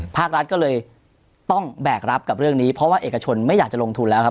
ภาครัฐก็เลยต้องแบกรับกับเรื่องนี้เพราะว่าเอกชนไม่อยากจะลงทุนแล้วครับ